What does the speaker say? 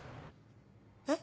えっ？